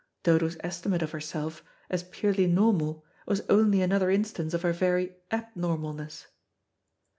Dodo's estimate of herself, as purely normal, was only another instance of her very abnormalness.